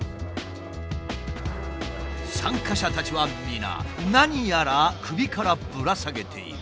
参加者たちは皆何やら首からぶら下げている。